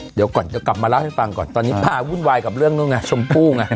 เดี๋ยวก่อนจะกลับมาเล่าให้ฟังก่อนตอนนี้พาวุ่นวายกับเรื่องนู้นไงชมพู่ไง